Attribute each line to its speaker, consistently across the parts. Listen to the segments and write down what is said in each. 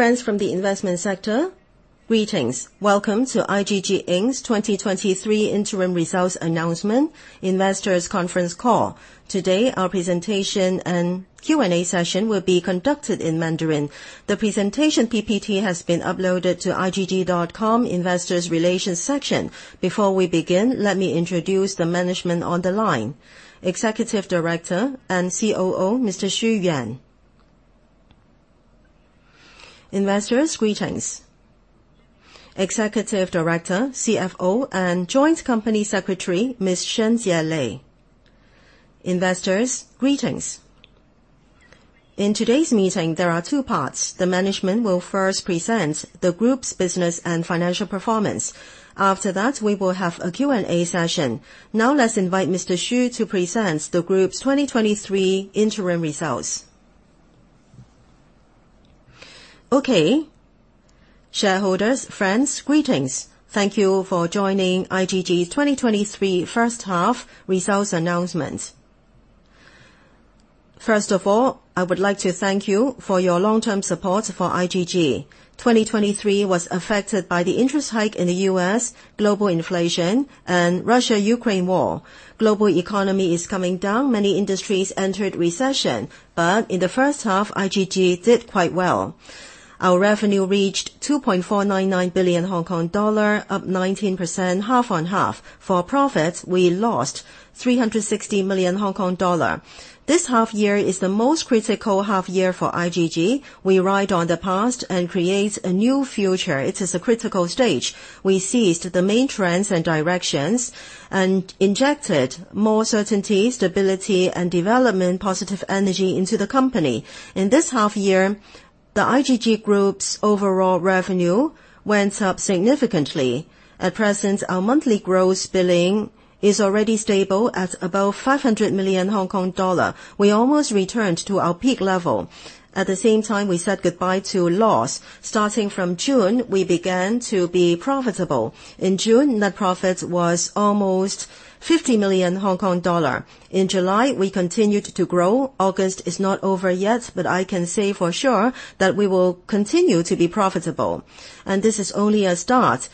Speaker 1: Friends from the investment sector, greetings. Welcome to IGG Inc's 2023 interim results announcement investors' conference call. Today, our presentation and Q&A session will be conducted in Mandarin. The presentation PPT has been uploaded to igg.com investor relations section. Before we begin, let me introduce the management on the line. Executive Director and COO, Mr. Xu Yuan. Investors, greetings. Executive Director, CFO, and joint company secretary, Ms. Shen Jie Lei. Investors, greetings. In today's meeting, there are two parts. The management will first present the group's business and financial performance. After that, we will have a Q&A session. Now let's invite Mr. Xu to present the group's 2023 interim results.
Speaker 2: Okay. Shareholders, friends, greetings. Thank you for joining IGG 2023 first half results announcement. First of all, I would like to thank you for your long-term support for IGG. 2023 was affected by the interest hike in the U.S., global inflation, and Russia-Ukraine war. Global economy is coming down. Many industries entered recession. In the first half, IGG did quite well. Our revenue reached 2.499 billion Hong Kong dollar, up 19% half on half. For profits, we lost 360 million Hong Kong dollar. This half year is the most critical half year for IGG. We ride on the past and create a new future. It is a critical stage. We seized the main trends and directions and injected more certainty, stability, and development positive energy into the company. In this half year, the IGG group's overall revenue went up significantly. At present, our monthly gross billing is already stable at above 500 million Hong Kong dollar. We almost returned to our peak level. At the same time, we said goodbye to loss. Starting from June, we began to be profitable. In June, net profit was almost 50 million Hong Kong dollar. In July, we continued to grow. August is not over yet, I can say for sure that we will continue to be profitable, and this is only a start.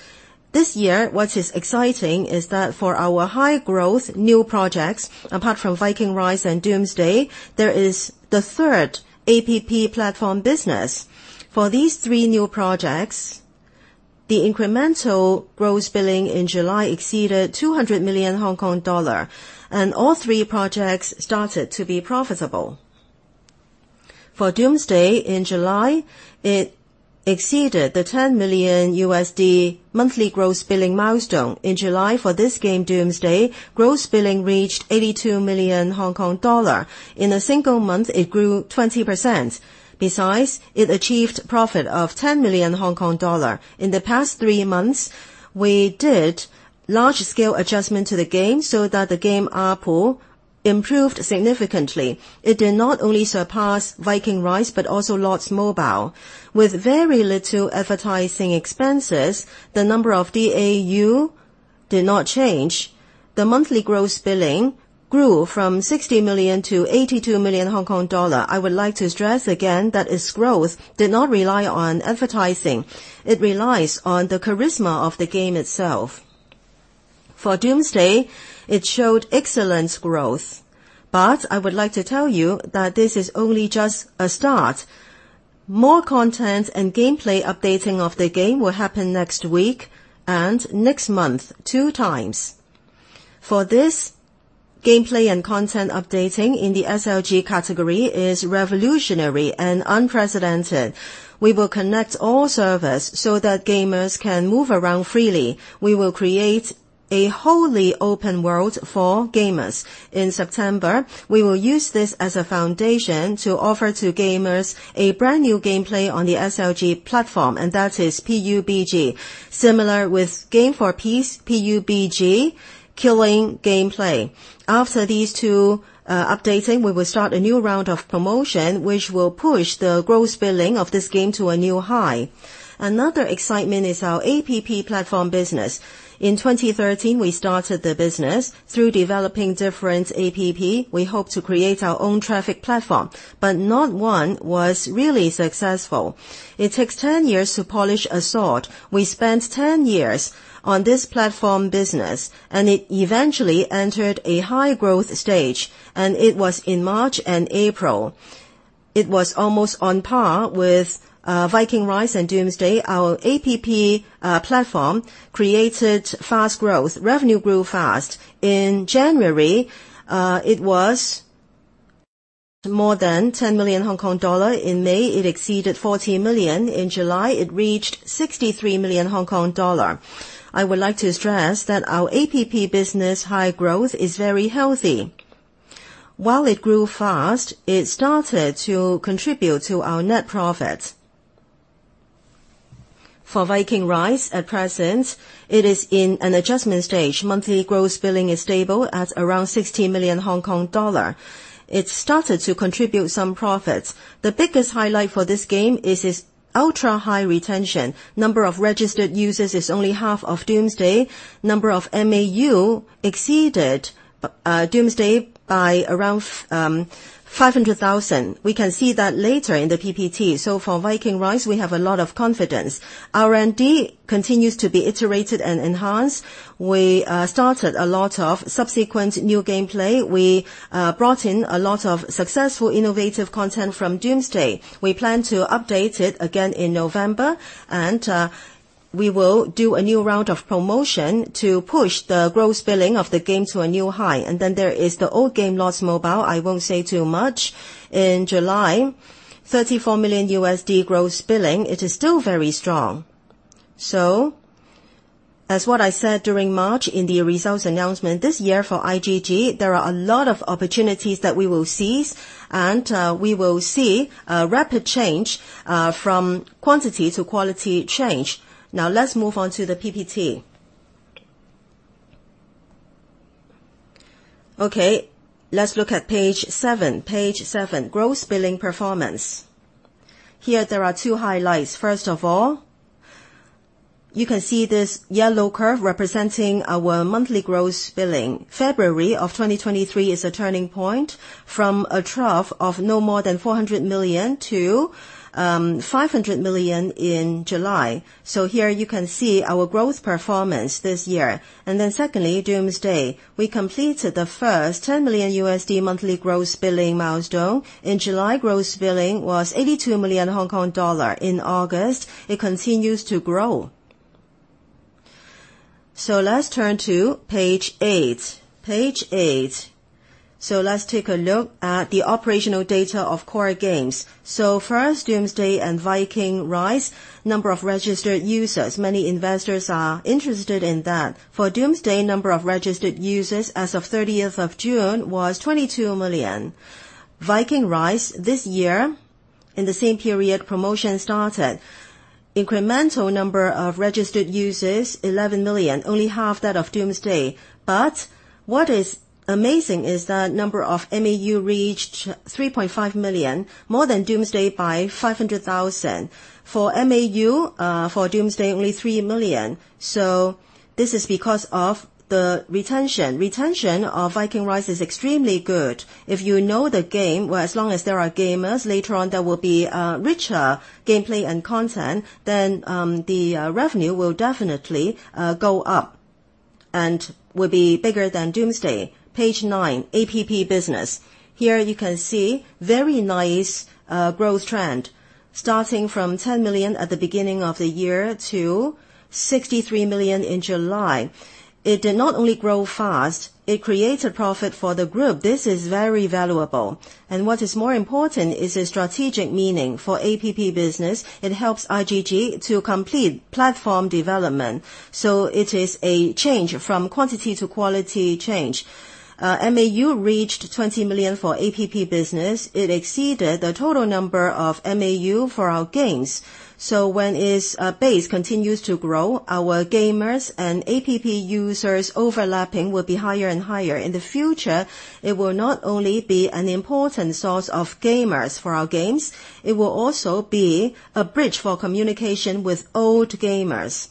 Speaker 2: This year, what is exciting is that for our high-growth new projects, apart from Viking Rise and Doomsday, there is the third APP platform business. For these three new projects, the incremental gross billing in July exceeded 200 million Hong Kong dollar, and all three projects started to be profitable. For Doomsday, in July, it exceeded the $10 million monthly gross billing milestone. In July, for this game, Doomsday, gross billing reached 82 million Hong Kong dollar. In a single month, it grew 20%. Besides, it achieved profit of 10 million Hong Kong dollar. In the past three months, we did large-scale adjustment to the game so that the game ARPU improved significantly. It did not only surpass Viking Rise but also Lords Mobile. With very little advertising expenses, the number of DAU did not change. The monthly gross billing grew from 60 million to 82 million Hong Kong dollar. I would like to stress again that its growth did not rely on advertising. It relies on the charisma of the game itself. For Doomsday, it showed excellent growth. I would like to tell you that this is only just a start. More content and gameplay updating of the game will happen next week and next month, two times. For this gameplay and content updating in the SLG category is revolutionary and unprecedented. We will connect all servers so that gamers can move around freely. We will create a wholly open world for gamers. In September, we will use this as a foundation to offer to gamers a brand-new gameplay on the SLG platform, that is PUBG. Similar with Game for Peace, PUBG killing gameplay. After these two updates, we will start a new round of promotion, which will push the gross billing of this game to a new high. Another excitement is our APP platform business. In 2013, we started the business. Through developing different APP, we hope to create our own traffic platform, but not one was really successful. It takes 10 years to polish a sword. We spent 10 years on this platform business, it eventually entered a high-growth stage, it was in March and April. It was almost on par with Viking Rise and Doomsday. Our APP platform created fast growth. Revenue grew fast. In January, it was more than 10 million Hong Kong dollar. In May, it exceeded 40 million. In July, it reached 63 million Hong Kong dollar. I would like to stress that our APP business high growth is very healthy. While it grew fast, it started to contribute to our net profit. For Viking Rise, at present, it is in an adjustment stage. Monthly gross billing is stable at around 60 million Hong Kong dollar. It started to contribute some profits. The biggest highlight for this game is its ultra-high retention. Number of registered users is only half of Doomsday. Number of MAU exceeded Doomsday by around 500,000. We can see that later in the PPT. For Viking Rise, we have a lot of confidence. R&D continues to be iterated and enhanced. We started a lot of subsequent new gameplay. We brought in a lot of successful innovative content from Doomsday. We plan to update it again in November, and we will do a new round of promotion to push the gross billing of the game to a new high. There is the old game, Lords Mobile. I won't say too much. In July, $34 million gross billing. It is still very strong. As what I said during March in the results announcement, this year for IGG, there are a lot of opportunities that we will seize, and we will see a rapid change from quantity to quality change. Let's move on to the PPT. Let's look at page seven. Page seven, gross billing performance. Here, there are two highlights. First of all, you can see this yellow curve representing our monthly gross billing. February of 2023 is a turning point from a trough of no more than 400 million to 500 million in July. Here you can see our growth performance this year. Secondly, Doomsday. We completed the first $10 million monthly gross billing milestone. In July, gross billing was 82 million Hong Kong dollar. In August, it continues to grow. Let's turn to page eight. Page eight. Let's take a look at the operational data of core games. First, Doomsday and Viking Rise, number of registered users. Many investors are interested in that. For Doomsday, number of registered users as of 30th of June was 22 million. Viking Rise this year, in the same period promotion started, incremental number of registered users, 11 million, only half that of Doomsday. What is amazing is the number of MAU reached 3.5 million, more than Doomsday by 500,000. For MAU, for Doomsday, only 3 million. This is because of the retention. Retention of Viking Rise is extremely good. If you know the game, well, as long as there are gamers, later on, there will be richer gameplay and content, then the revenue will definitely go up and will be bigger than Doomsday. Page nine, APP business. Here you can see very nice growth trend, starting from 10 million at the beginning of the year to 63 million in July. It did not only grow fast, it created profit for the group. This is very valuable. What is more important is the strategic meaning for APP business. It helps IGG to complete platform development, so it is a change from quantity to quality change. MAU reached 20 million for APP business. It exceeded the total number of MAU for our games. When its base continues to grow, our gamers and APP users overlapping will be higher and higher. In the future, it will not only be an important source of gamers for our games, it will also be a bridge for communication with old gamers.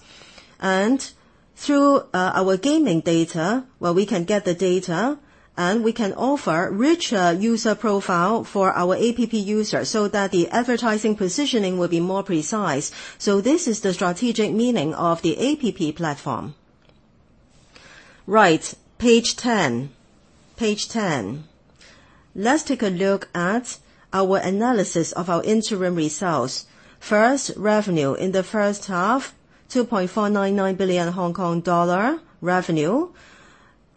Speaker 2: Through our gaming data, well, we can get the data, and we can offer richer user profile for our APP users so that the advertising positioning will be more precise. This is the strategic meaning of the APP platform. Right. Page 10. Page 10. Let's take a look at our analysis of our interim results. First, revenue. In the first half, 2.499 billion Hong Kong dollar revenue,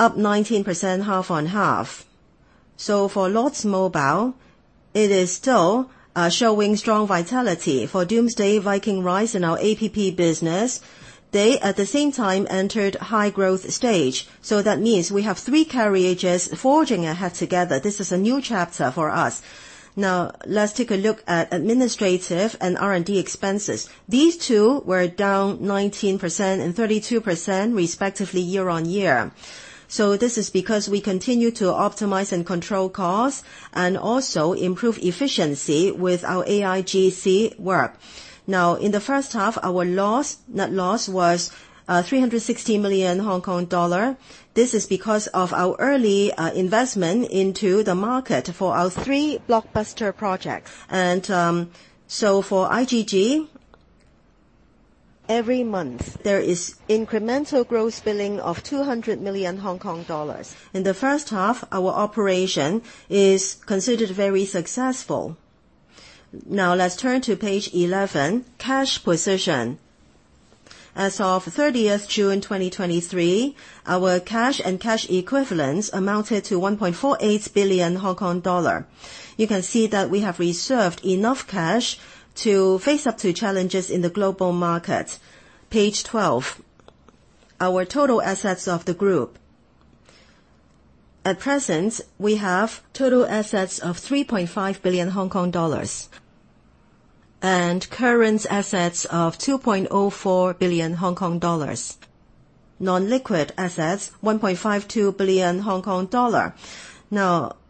Speaker 2: up 19% half-on-half. For Lords Mobile, it is still showing strong vitality. For Doomsday, Viking Rise, and our APP business, they at the same time entered high growth stage. That means we have three carriages forging ahead together. This is a new chapter for us. Let's take a look at administrative and R&D expenses. These two were down 19% and 32% respectively year-over-year. This is because we continue to optimize and control costs and also improve efficiency with our AIGC work. In the first half, our net loss was 360 million Hong Kong dollar. This is because of our early investment into the market for our three blockbuster projects. For IGG, every month there is incremental gross billing of 200 million Hong Kong dollars. In the first half, our operation is considered very successful. Let's turn to page 11, cash position. As of 30th June 2023, our cash and cash equivalents amounted to 1.48 billion Hong Kong dollar. You can see that we have reserved enough cash to face up to challenges in the global market. Page 12, our total assets of the group. At present, we have total assets of 3.5 billion Hong Kong dollars and current assets of 2.04 billion Hong Kong dollars. Non-liquid assets, 1.52 billion Hong Kong dollar.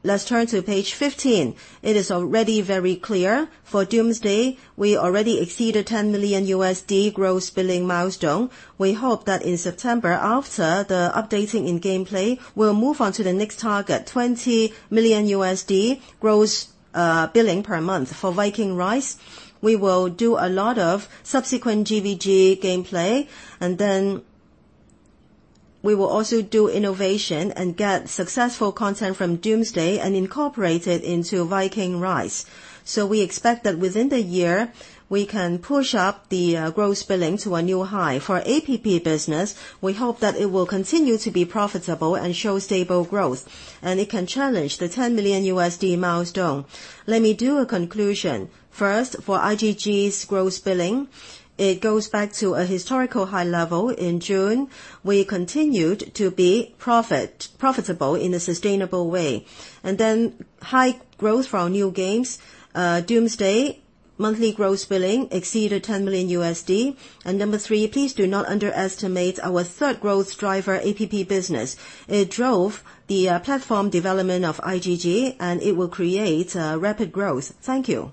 Speaker 2: Let's turn to page 15. It is already very clear for Doomsday, we already exceeded $10 million USD gross billing milestone. We hope that in September, after the updating in gameplay, we'll move on to the next target, $20 million USD gross billing per month. For Viking Rise, we will do a lot of subsequent GVG gameplay, and then we will also do innovation and get successful content from Doomsday and incorporate it into Viking Rise. We expect that within the year, we can push up the gross billing to a new high. For APP business, we hope that it will continue to be profitable and show stable growth, and it can challenge the $10 million milestone. Let me do a conclusion. First, for IGG's gross billing, it goes back to a historical high level in June. We continued to be profitable in a sustainable way. High growth for our new games. Doomsday monthly gross billing exceeded $10 million. Number three, please do not underestimate our third growth driver, APP business. It drove the platform development of IGG, and it will create rapid growth. Thank you.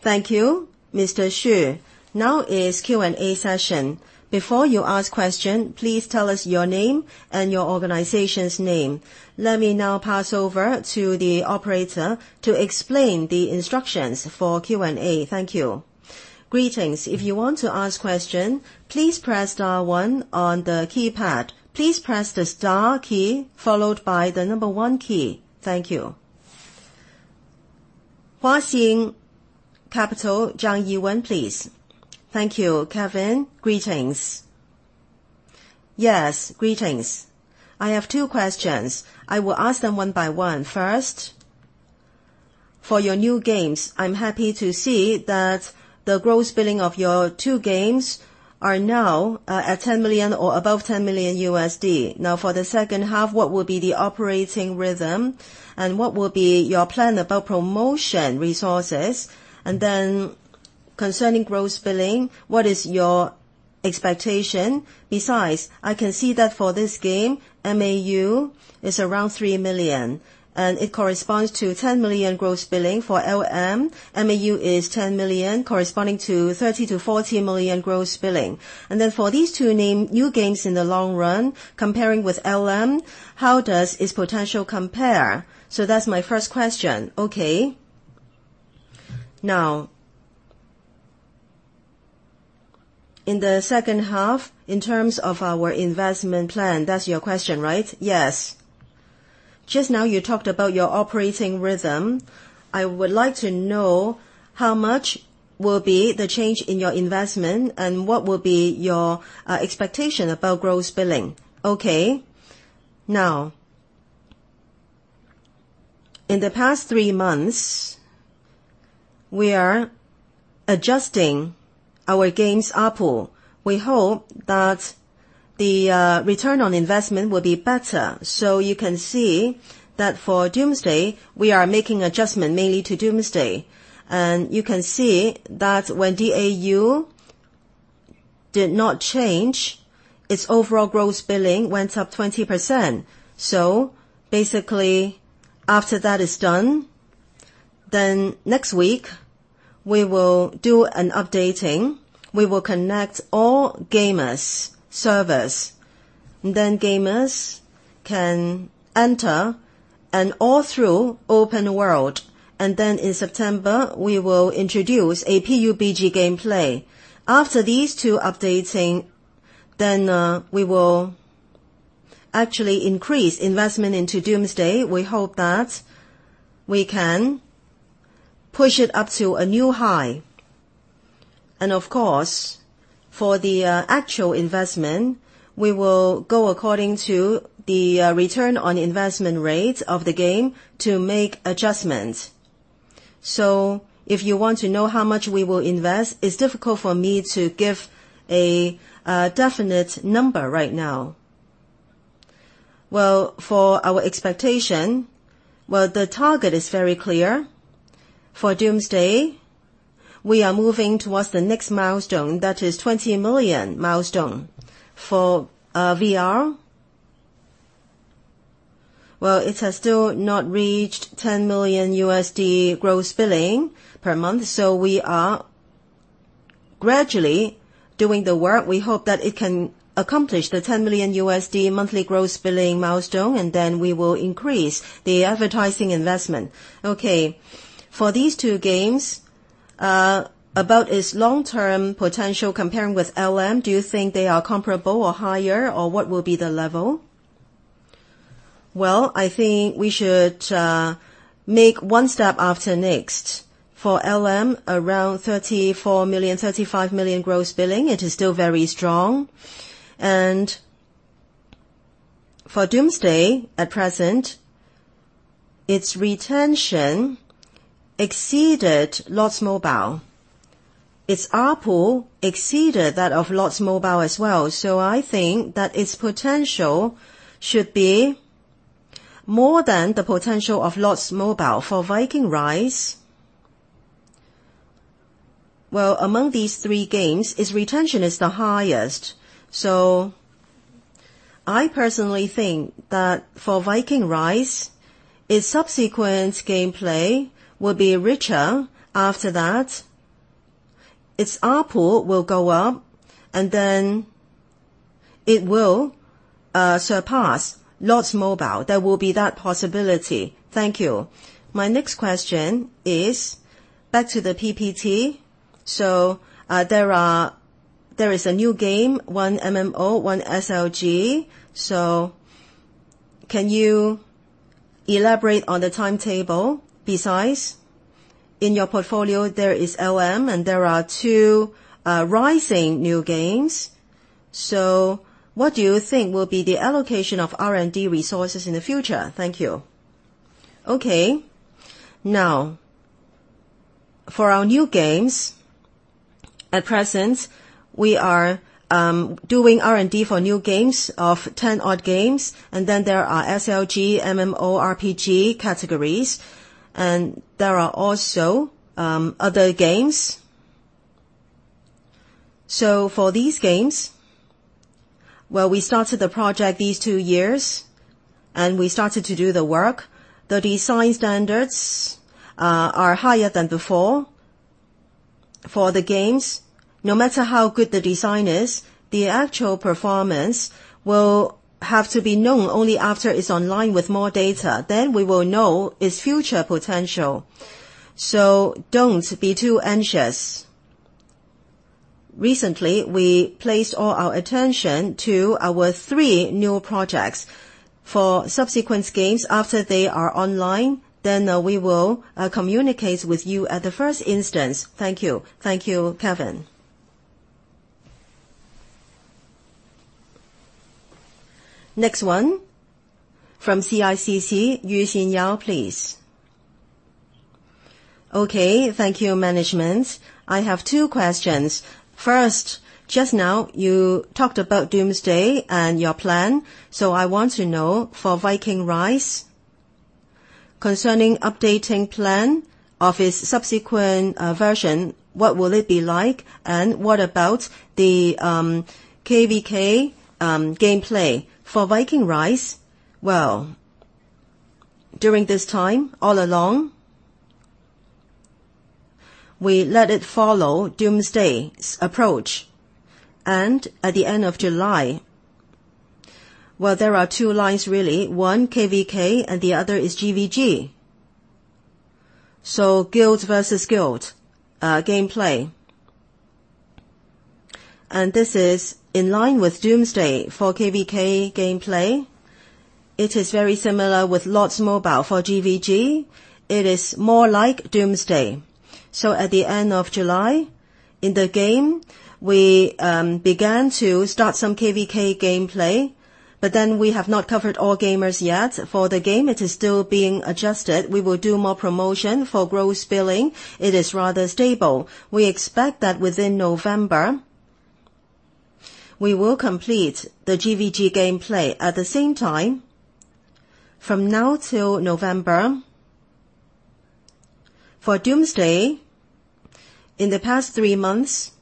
Speaker 3: Thank you, Mr. Xu. Now is Q&A session. Before you ask question, please tell us your name and your organization's name. Let me now pass over to the operator to explain the instructions for Q&A. Thank you.
Speaker 1: Greetings. If you want to ask question, please press star one on the keypad. Please press the star key followed by the number one key. Thank you. Huaxing Capital, Zhang Yiwen, please.
Speaker 4: Thank you, Kevin. Greetings. Yes, greetings. I have two questions. I will ask them one by one. First, for your new games, I'm happy to see that the gross billing of your two games are now at $10 million or above $10 million. For the second half, what will be the operating rhythm and what will be your plan about promotion resources? Concerning gross billing, what is your expectation? Besides, I can see that for this game, MAU is around 3 million, and it corresponds to 10 million gross billing. For LM, MAU is 10 million, corresponding to 30 million-40 million gross billing. For these two new games in the long run, comparing with LM, how does its potential compare? That's my first question. In the second half, in terms of our investment plan, that's your question, right?
Speaker 2: Yes.
Speaker 4: Just now you talked about your operating rhythm. I would like to know how much will be the change in your investment and what will be your expectation about gross billing.
Speaker 2: In the past three months, we are adjusting our games ARPU. We hope that the ROI will be better. You can see that for Doomsday, we are making adjustment mainly to Doomsday. You can see that when DAU did not change, its overall gross billing went up 20%.
Speaker 4: After that is done, next week we will do an updating. We will connect all gamers, servers, gamers can enter an all-through open world. In September, we will introduce a PUBG gameplay. After these two updating, we will actually increase investment into Doomsday. We hope that we can push it up to a new high. Of course, for the actual investment, we will go according to the ROI rate of the game to make adjustments. If you want to know how much we will invest, it's difficult for me to give a definite number right now. For our expectation, the target is very clear. For Doomsday, we are moving towards the next milestone, that is 20 million milestone. For VR, it has still not reached $10 million gross billing per month. We are gradually doing the work. We hope that it can accomplish the $10 million monthly gross billing milestone. We will increase the advertising investment. Okay. For these two games, about its long-term potential comparing with LM, do you think they are comparable or higher, or what will be the level? Well, I think we should make one step after next. For LM, around $34 million-$35 million gross billing, it is still very strong. For Doomsday: Last Survivors, at present, its retention exceeded Lords Mobile. Its ARPU exceeded that of Lords Mobile as well. I think that its potential should be more than the potential of Lords Mobile. For Viking Rise, well, among these three games, its retention is the highest.
Speaker 2: I personally think that for Viking Rise, its subsequent gameplay will be richer after that. Its ARPU will go up, it will surpass Lords Mobile. There will be that possibility.
Speaker 4: Thank you. My next question is back to the PPT. There is a new game, one MMO, one SLG. Can you elaborate on the timetable besides? In your portfolio, there is LM and there are two rising new games. What do you think will be the allocation of R&D resources in the future? Thank you. Okay. For our new games, at present, we are doing R&D for new games of 10 odd games. There are SLG, MMORPG categories. There are also other games. For these games, well, we started the project these two years. We started to do the work. The design standards are higher than before.
Speaker 2: For the games, no matter how good the design is, the actual performance will have to be known only after it's online with more data, then we will know its future potential. Don't be too anxious. Recently, we placed all our attention to our three new projects. For subsequent games after they are online, we will communicate with you at the first instance. Thank you.
Speaker 1: Thank you, Kevin. Next one from CICC, Yu Xin Yao, please.
Speaker 5: Okay. Thank you, management. I have two questions. First, just now you talked about Doomsday: Last Survivors and your plan. I want to know for Viking Rise, concerning updating plan of its subsequent version, what will it be like, and what about the KVK gameplay? For Viking Rise, well, during this time, all along, we let it follow Doomsday: Last Survivors' approach.
Speaker 2: At the end of July, well, there are two lines really, one KVK and the other is GVG, guild versus guild gameplay. This is in line with Doomsday: Last Survivors. For KVK gameplay, it is very similar with Lords Mobile. For GVG, it is more like Doomsday: Last Survivors. At the end of July, in the game, we began to start some KVK gameplay. We have not covered all gamers yet. For the game, it is still being adjusted. We will do more promotion. For gross billing, it is rather stable. We expect that within November, we will complete the GVG gameplay. At the same time, from now till November, for Doomsday: Last Survivors, in the past three months,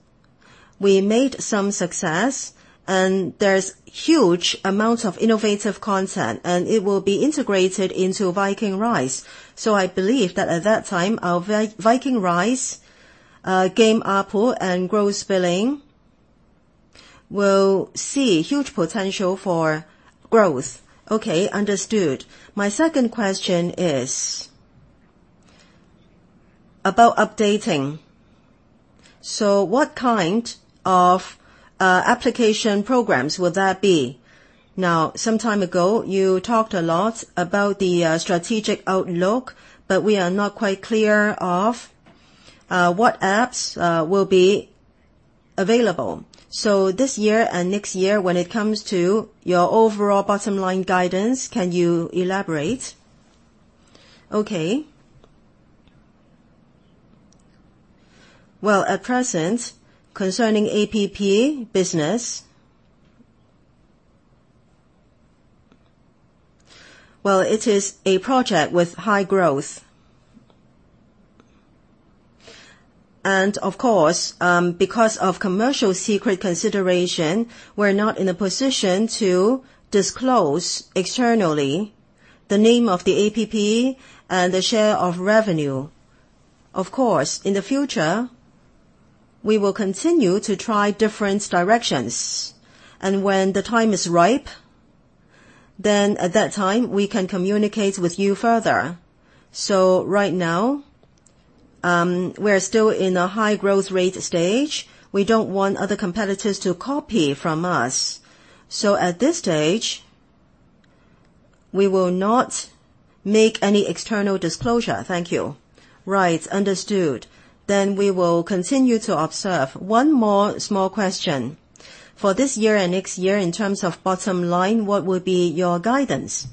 Speaker 2: we made some success. There's huge amounts of innovative content. It will be integrated into Viking Rise.
Speaker 5: I believe that at that time, our Viking Rise game ARPU and gross billing will see huge potential for growth. Okay. Understood. My second question is about updating. What kind of application programs will that be? Some time ago, you talked a lot about the strategic outlook, but we are not quite clear of what apps will be available. This year and next year, when it comes to your overall bottom line guidance, can you elaborate?
Speaker 2: Okay. At present, concerning APP business, it is a project with high growth. Of course, because of commercial secret consideration, we're not in a position to disclose externally the name of the APP and the share of revenue. In the future, we will continue to try different directions, and when the time is ripe, at that time, we can communicate with you further. Right now, we're still in a high growth rate stage. We don't want other competitors to copy from us. At this stage, we will not make any external disclosure. Thank you. Right. Understood. We will continue to observe. One more small question. For this year and next year, in terms of bottom line, what will be your guidance?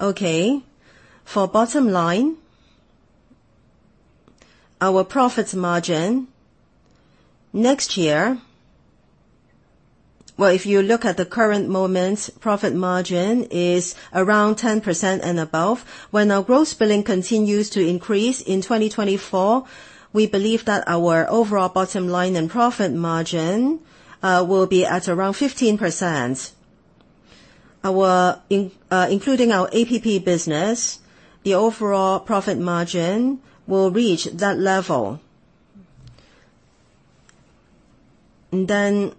Speaker 2: Okay. For bottom line. Our profit margin next year, if you look at the current moment, profit margin is around 10% and above. When our gross billing continues to increase in 2024, we believe that our overall bottom line and profit margin will be at around 15%. Including our APP business, the overall profit margin will reach that level. Then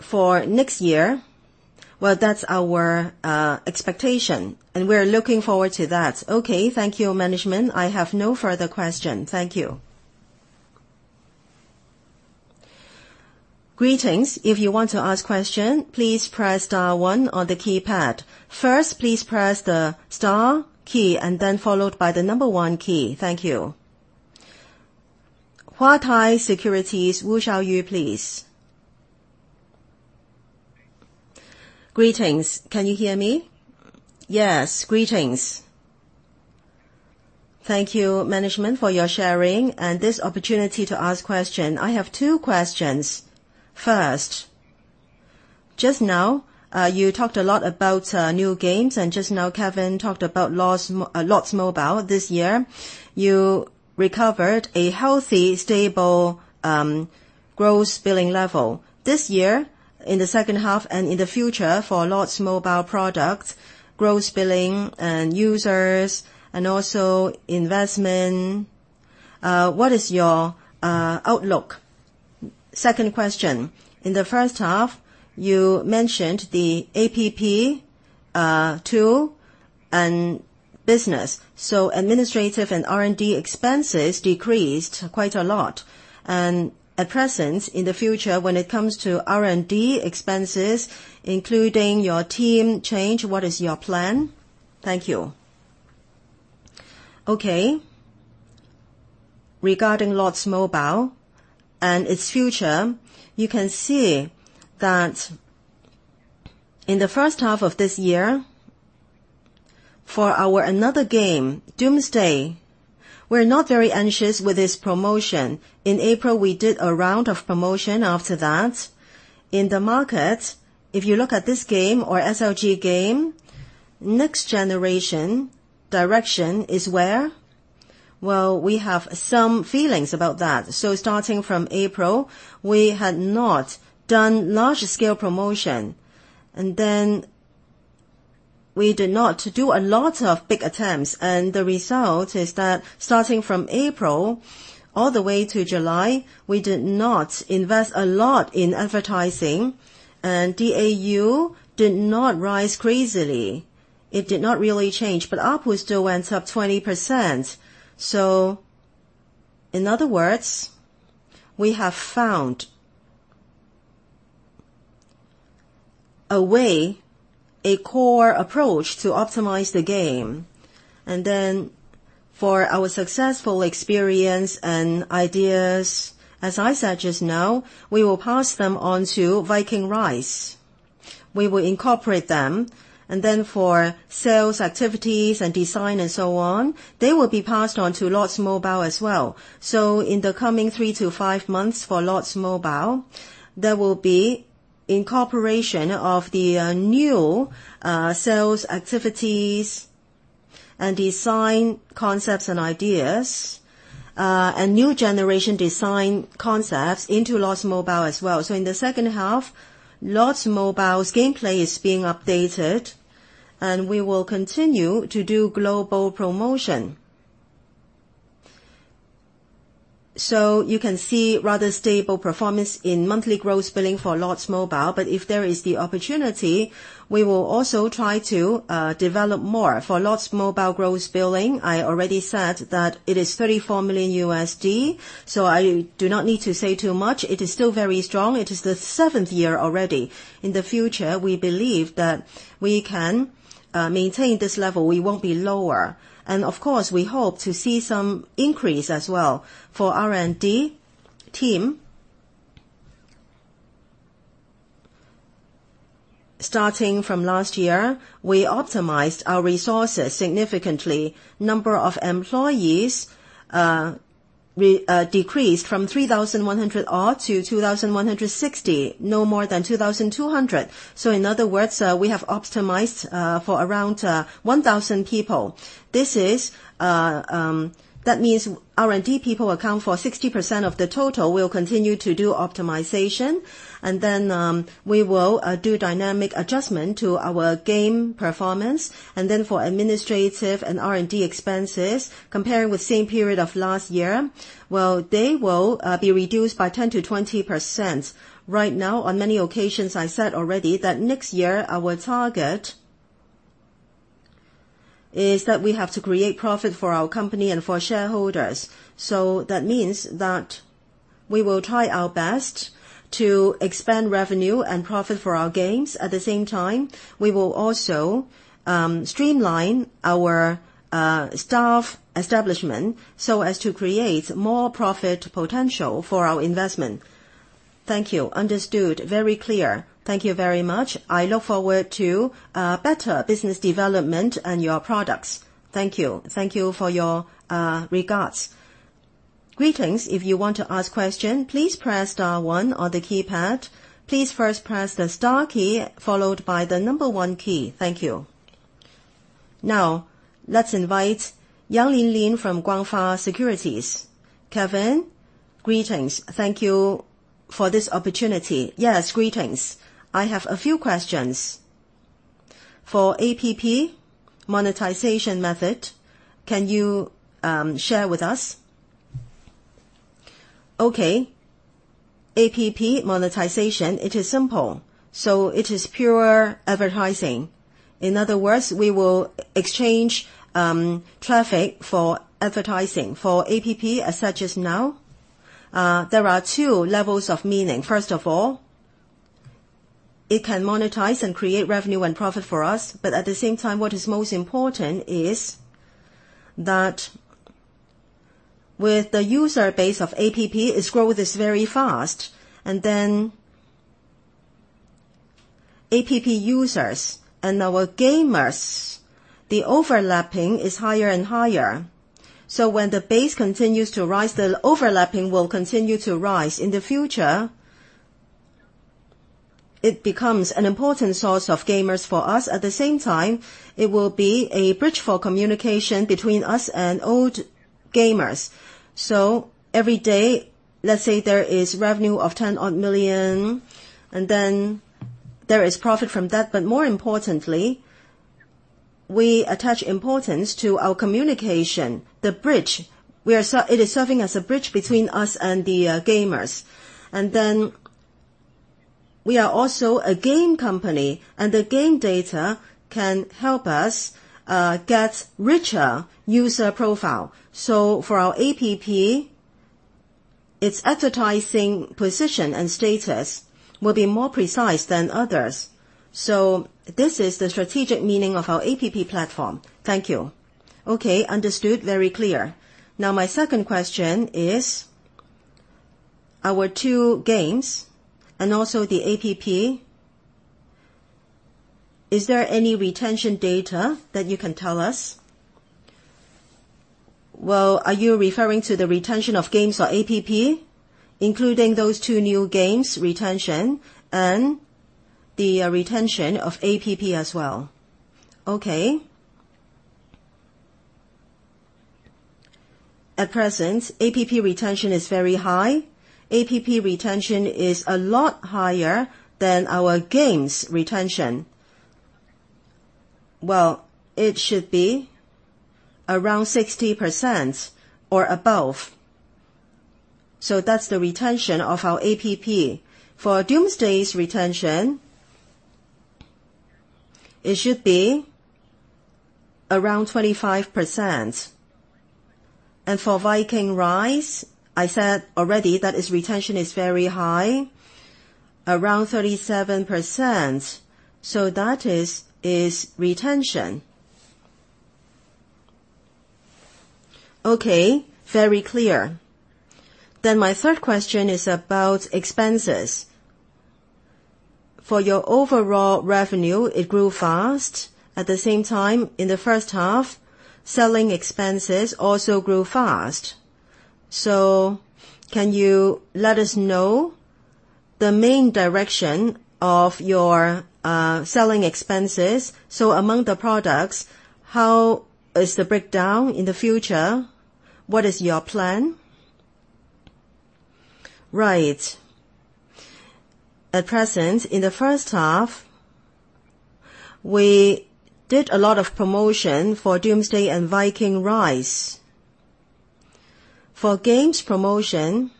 Speaker 2: for next year, that's our expectation, and we're looking forward to that.
Speaker 5: Okay. Thank you, management. I have no further question. Thank you.
Speaker 1: Greetings. If you want to ask question, please press star one on the keypad. First, please press the star key and then followed by the number one key. Thank you. Huatai Securities, Wu Xiaoyu, please.
Speaker 6: Greetings. Can you hear me? Yes, greetings. Thank you, management, for your sharing and this opportunity to ask question. I have two questions. First, just now, you talked a lot about new games, and just now Kevin talked about Lords Mobile. This year, you recovered a healthy, stable gross billing level. This year, in the second half and in the future for Lords Mobile products, gross billing and users and also investment, what is your outlook? Second question. In the first half, you mentioned the APP tool and business. Administrative and R&D expenses decreased quite a lot. At present, in the future, when it comes to R&D expenses, including your team change, what is your plan? Thank you. Okay. Regarding Lords Mobile and its future, you can see that in the first half of this year, for our another game, Doomsday, we're not very anxious with its promotion. In April, we did a round of promotion after that. In the market, if you look at this game or SLG game, next generation direction is where? We have some feelings about that. Starting from April, we had not done large-scale promotion, then we did not do a lot of big attempts. The result is that starting from April all the way to July, we did not invest a lot in advertising, and DAU did not rise crazily. It did not really change, but ARPU still went up 20%.
Speaker 2: In other words, we have found a way, a core approach to optimize the game. For our successful experience and ideas, as I said just now, we will pass them on to Viking Rise. We will incorporate them, for sales activities and design and so on, they will be passed on to Lords Mobile as well. In the coming three to five months for Lords Mobile, there will be incorporation of the new sales activities and design concepts and ideas, and new generation design concepts into Lords Mobile as well. In the second half, Lords Mobile's gameplay is being updated, and we will continue to do global promotion. You can see rather stable performance in monthly gross billing for Lords Mobile. But if there is the opportunity, we will also try to develop more. For Lords Mobile gross billing, I already said that it is $34 million USD. I do not need to say too much. It is still very strong. It is the seventh year already. In the future, we believe that we can maintain this level. We won't be lower. Of course, we hope to see some increase as well. For R&D team, starting from last year, we optimized our resources significantly. Number of employees decreased from 3,100 odd to 2,160, no more than 2,200. In other words, we have optimized for around 1,000 people. That means R&D people account for 60% of the total. We'll continue to do optimization, and we will do dynamic adjustment to our game performance. For administrative and R&D expenses, comparing with same period of last year, they will be reduced by 10%-20%.
Speaker 6: Right now, on many occasions, I said already that next year our target is that we have to create profit for our company and for shareholders. That means that we will try our best to expand revenue and profit for our games. At the same time, we will also streamline our staff establishment so as to create more profit potential for our investment. Thank you. Understood. Very clear. Thank you very much. I look forward to better business development and your products. Thank you. Thank you for your regards. Greetings. If you want to ask question, please press star one on the keypad. Please first press the star key, followed by the number one key. Thank you. Let's invite Yang Linlin from Guangfa Securities. Kevin, greetings. Thank you for this opportunity. Yes, greetings. I have a few questions. For APP monetization method, can you share with us? Okay.
Speaker 2: APP monetization, it is simple. It is pure advertising. In other words, we will exchange traffic for advertising. For APP, as such as now, there are two levels of meaning. First of all, it can monetize and create revenue and profit for us, at the same time, what is most important is that with the user base of APP, its growth is very fast. APP users and our gamers, the overlapping is higher and higher. When the base continues to rise, the overlapping will continue to rise. In the future, it becomes an important source of gamers for us. At the same time, it will be a bridge for communication between us and old gamers. Every day, let's say there is revenue of 10 odd million, and then there is profit from that. More importantly, we attach importance to our communication, the bridge.
Speaker 7: It is serving as a bridge between us and the gamers. We are also a game company, the game data can help us get richer user profile. For our APP, its advertising position and status will be more precise than others. This is the strategic meaning of our APP platform. Thank you. Understood. Very clear. My second question is, our two games and also the APP, is there any retention data that you can tell us? Are you referring to the retention of games or APP? Including those two new games retention and the retention of APP as well. At present, APP retention is very high. APP retention is a lot higher than our games retention. It should be around 60% or above. That's the retention of our APP. For Doomsday's retention, it should be around 25%.
Speaker 2: For Viking Rise, I said already that its retention is very high, around 37%. That is its retention. Very clear. My third question is about expenses. For your overall revenue, it grew fast. At the same time, in the first half, selling expenses also grew fast. Can you let us know the main direction of your selling expenses? Among the products, how is the breakdown in the future? What is your plan? Right. At present, in the first half, we did a lot of promotion for Doomsday and Viking Rise. For games promotion,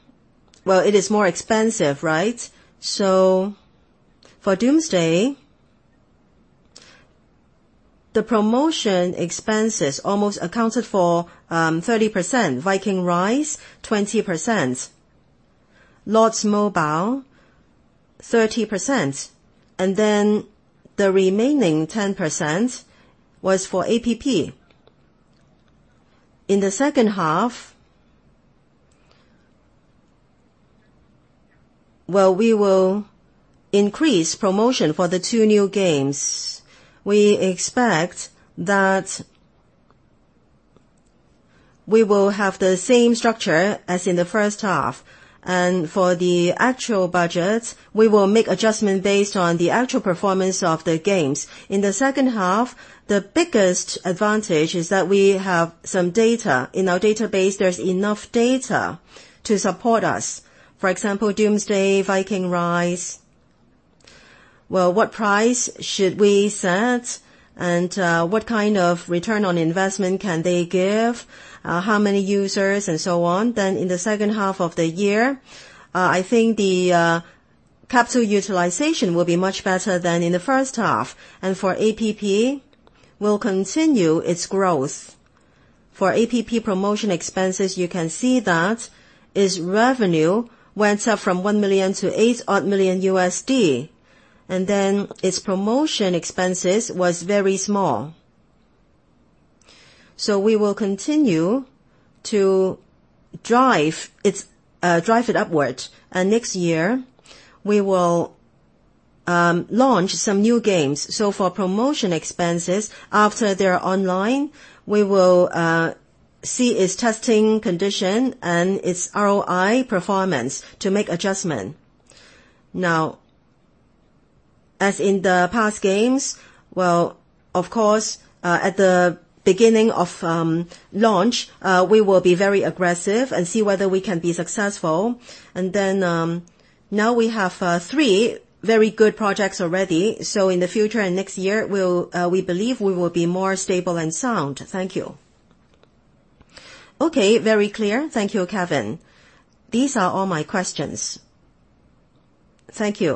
Speaker 2: it is more expensive, right? For Doomsday, the promotion expenses almost accounted for 30%, Viking Rise, 20%, Lords Mobile, 30%, the remaining 10% was for APP. In the second half, we will increase promotion for the two new games. We expect that we will have the same structure as in the first half. For the actual budget, we will make adjustment based on the actual performance of the games. In the second half, the biggest advantage is that we have some data. In our database, there's enough data to support us. For example, Doomsday, Viking Rise, what price should we set? What kind of return on investment can they give? How many users and so on. In the second half of the year, I think the capital utilization will be much better than in the first half. For APP, will continue its growth. For APP promotion expenses, you can see that its revenue went up from $1 million to $8 odd million. Its promotion expenses was very small. We will continue to drive it upward. Next year, we will launch some new games. For promotion expenses, after they're online, we will see its testing condition and its ROI performance to make adjustment. As in the past games, at the beginning of launch, we will be very aggressive and see whether we can be successful. We have 3 very good projects already. In the future and next year, we believe we will be more stable and sound. Thank you. Very clear. Thank you, Kevin. These are all my questions. Thank you.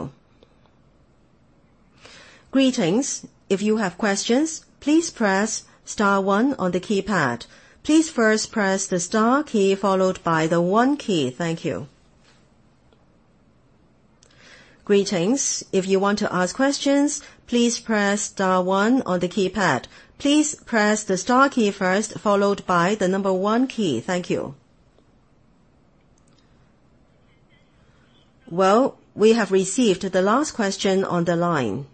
Speaker 2: Greetings. If you have questions, please press star one on the keypad. Please first press the star key followed by the 1 key. Thank you. Greetings, if you want to ask questions, please press star one on the keypad. Please press the star key first, followed by the number 1 key. Thank you.
Speaker 1: Well, we have received the last question on the line.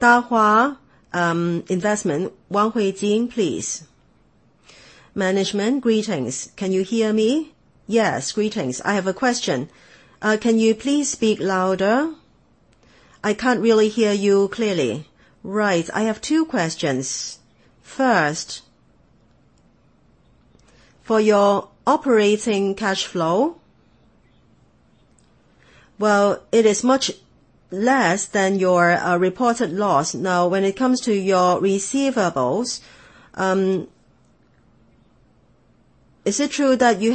Speaker 1: Dahua Investment, Wang Huijing, please. Management, greetings. Can you hear me? Yes, greetings. I have a question. Can you please speak louder? I can't really hear you clearly. I have two questions. First, for your operating cash flow, well, it is much less than your reported loss. When it comes to your receivables, is it true that you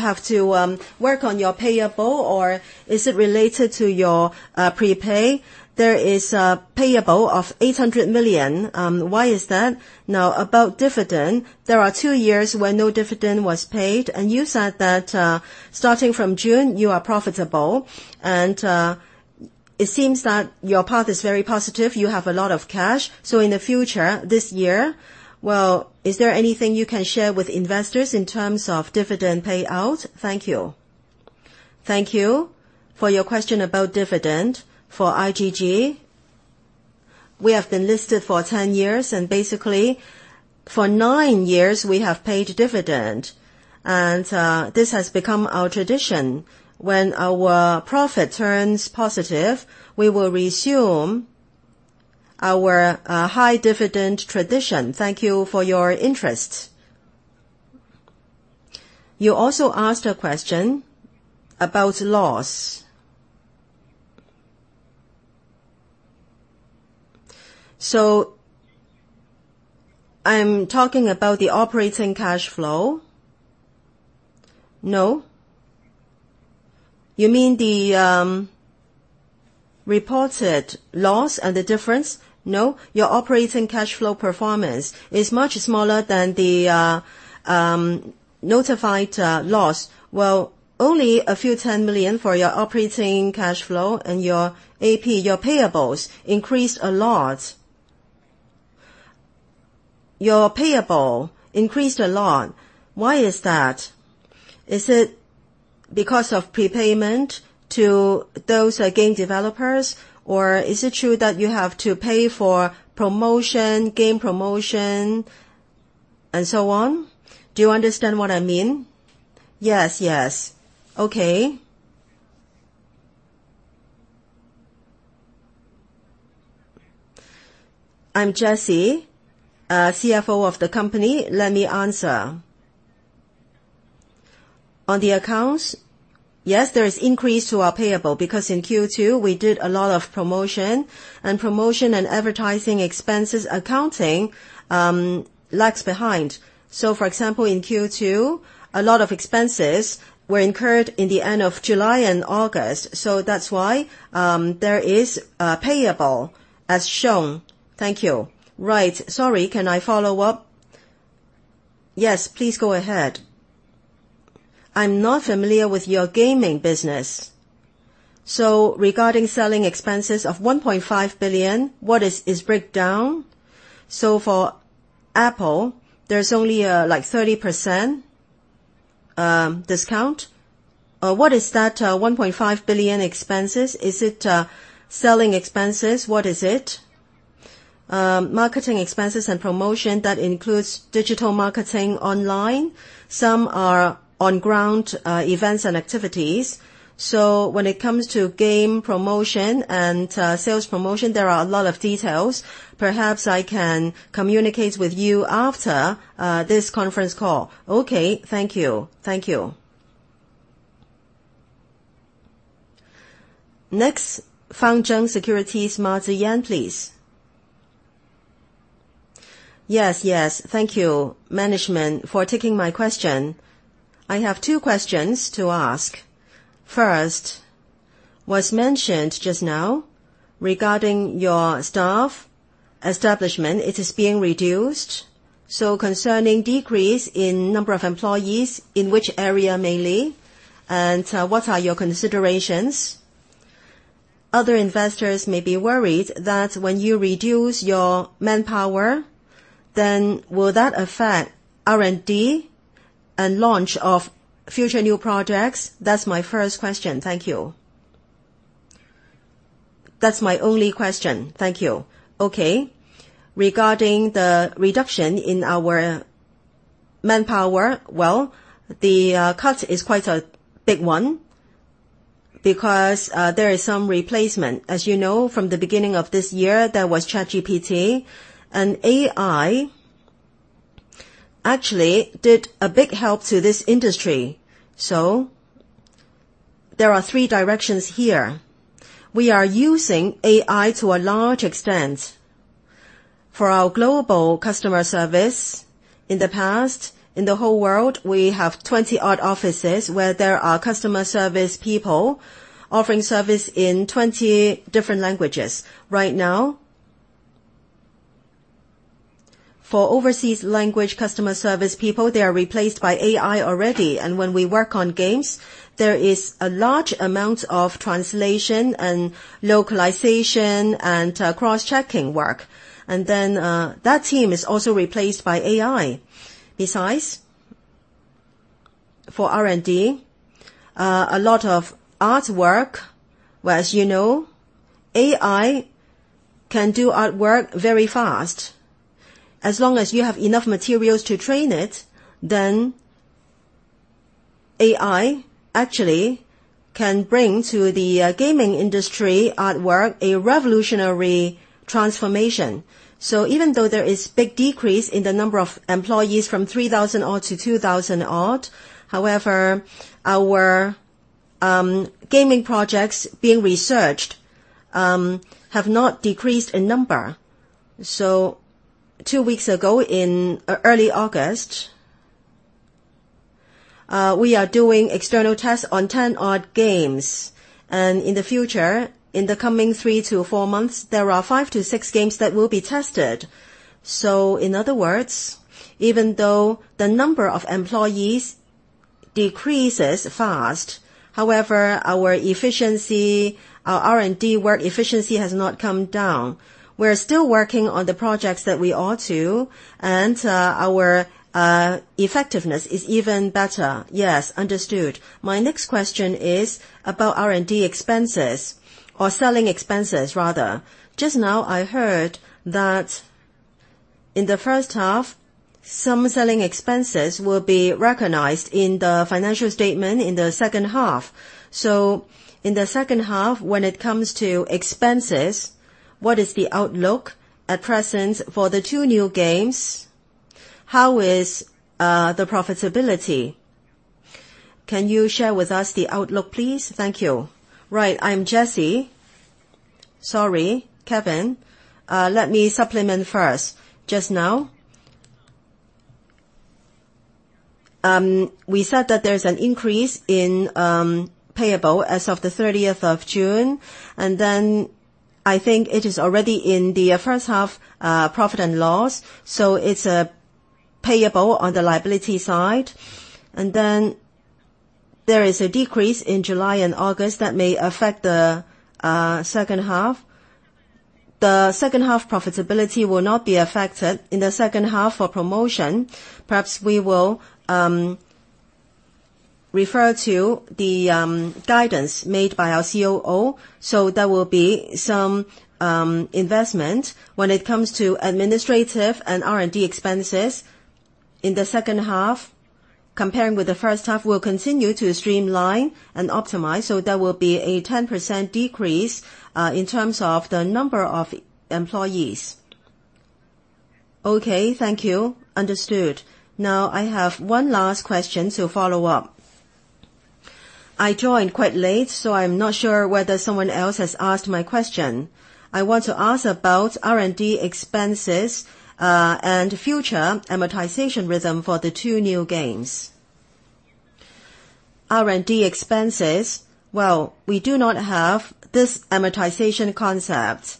Speaker 1: have to work on your payable, or is it related to your prepay? There is a payable of 800 million. Why is that? About dividend, there are two years where no dividend was paid. You said that, starting from June, you are profitable. It seems that your path is very positive. You have a lot of cash. In the future, this year, well, is there anything you can share with investors in terms of dividend payout?
Speaker 2: Thank you. Thank you for your question about dividend. For IGG, we have been listed for 10 years basically, for nine years, we have paid dividend. This has become our tradition. When our profit turns positive, we will resume our high dividend tradition. Thank you for your interest. You also asked a question about loss. I'm talking about the operating cash flow. No. You mean the reported loss and the difference? No. Your operating cash flow performance is much smaller than the notified loss. Well, only a few, 10 million for your operating cash flow, your AP, your payables increased a lot. Your payable increased a lot. Why is that? Is it because of prepayment to those game developers, or is it true that you have to pay for promotion, game promotion, and so on? Do you understand what I mean? Yes, yes. Okay.
Speaker 3: I'm Jessie, CFO of the company. Let me answer. On the accounts, yes, there is increase to our payable because in Q2, we did a lot of promotion and advertising expenses accounting lags behind. For example, in Q2, a lot of expenses were incurred in the end of July and August, that's why there is a payable as shown. Thank you. Sorry, can I follow up? Yes, please go ahead. I'm not familiar with your gaming business. Regarding selling expenses of 1.5 billion, what is its breakdown? For Apple, there's only 30% discount. What is that 1.5 billion expenses? Is it selling expenses? What is it? Marketing expenses and promotion, that includes digital marketing online. Some are on-ground events and activities. When it comes to game promotion and sales promotion, there are a lot of details.
Speaker 8: Perhaps I can communicate with you after this conference call. Okay. Thank you. Thank you. Next, FangZheng Securities, Ma Ziyan, please. Yes, yes. Thank you, management, for taking my question. I have two questions to ask. First, was mentioned just now regarding your staff Establishment, it is being reduced. Concerning decrease in number of employees, in which area mainly, what are your considerations? Other investors may be worried that when you reduce your manpower, will that affect R&D and launch of future new projects? That's my first question. Thank you. That's my only question. Thank you. Okay. Regarding the reduction in our manpower, well, the cut is quite a big one because there is some replacement. As you know, from the beginning of this year, there was ChatGPT, AI actually did a big help to this industry. There are three directions here.
Speaker 2: We are using AI to a large extent. For our global customer service, in the past, in the whole world, we have 20 odd offices where there are customer service people offering service in 20 different languages. Right now, for overseas language customer service people, they are replaced by AI already. When we work on games, there is a large amount of translation and localization and cross-checking work. That team is also replaced by AI. Besides, for R&D, a lot of artwork, where as you know, AI can do artwork very fast. As long as you have enough materials to train it, then AI actually can bring to the gaming industry artwork a revolutionary transformation. Even though there is big decrease in the number of employees from 3,000 odd to 2,000 odd, however, our gaming projects being researched have not decreased in number. Two weeks ago, in early August, we are doing external tests on 10 odd games, in the future, in the coming three to four months, there are five to six games that will be tested. In other words, even though the number of employees decreases fast, however, our R&D work efficiency has not come down. We're still working on the projects that we ought to, and our effectiveness is even better. Yes, understood. My next question is about R&D expenses or selling expenses rather. Just now, I heard that in the first half, some selling expenses will be recognized in the financial statement in the second half. In the second half, when it comes to expenses, what is the outlook at present for the two new games? How is the profitability? Can you share with us the outlook, please? Thank you. Right. I'm Jessie. Sorry, Kevin.
Speaker 3: Let me supplement first. Just now, we said that there's an increase in payable as of the 30th of June, and then I think it is already in the first half profit and loss, so it's payable on the liability side. There is a decrease in July and August that may affect the second half. The second half profitability will not be affected. In the second half for promotion, perhaps we will refer to the guidance made by our COO, so there will be some investment. When it comes to administrative and R&D expenses in the second half, comparing with the first half, we'll continue to streamline and optimize, so there will be a 10% decrease in terms of the number of employees. Okay, thank you. Understood. Now, I have one last question to follow up.
Speaker 9: I joined quite late, so I'm not sure whether someone else has asked my question. I want to ask about R&D expenses, and future amortization rhythm for the two new games. R&D expenses. Well, we do not have this amortization concept.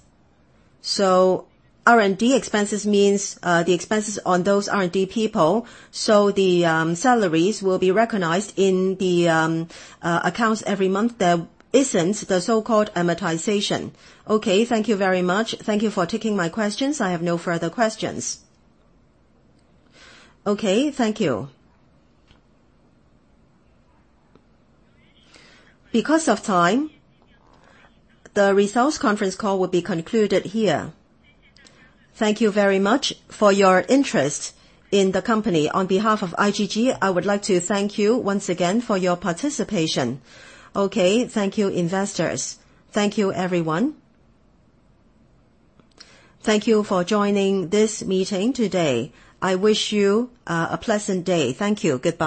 Speaker 9: R&D expenses means the expenses on those R&D people. The salaries will be recognized in the accounts every month. There isn't the so-called amortization. Okay. Thank you very much. Thank you for taking my questions. I have no further questions. Okay. Thank you. Because of time, the results conference call will be concluded here. Thank you very much for your interest in the company. On behalf of IGG, I would like to thank you once again for your participation. Okay. Thank you, investors. Thank you, everyone. Thank you for joining this meeting today. I wish you a pleasant day. Thank you.